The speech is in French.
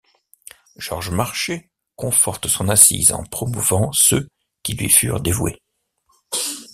Georges Marchais conforte son assise en promouvant ceux qui lui furent dévoués.